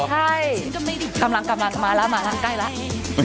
ใช่กำลังมาแล้วมาแล้วใกล้แล้ว